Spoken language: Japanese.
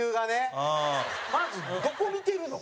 まずどこ見てるの？